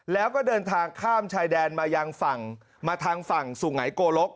แล้วก็เดินทางข้ามชายแดนมาทางฝั่งสูงไหนโกลก